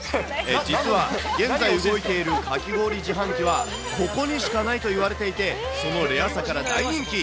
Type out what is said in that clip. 実は現在動いているかき氷自販機は、ここにしかないといわれていて、そのレアさから大人気。